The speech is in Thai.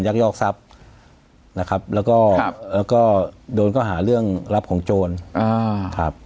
ยอกทรัพย์นะครับแล้วก็โดนก็หาเรื่องรับของโจรครับ